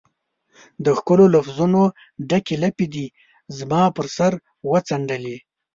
د ښکلو لفظونو ډکي لپې دي زما پر سر وڅنډلي